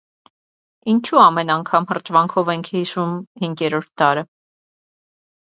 Ինչո՞ւ ամեն անգամ հրճվանքով ենք հիշում հինգերորդ դարը: